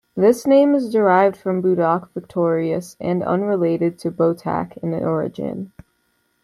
This name is derived from "buadhach" "victorious" and unrelated to "botach" in origin.